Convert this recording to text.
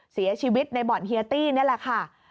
เสียชีวิตในบ่อนเฮียตี้นี่แหละค่ะ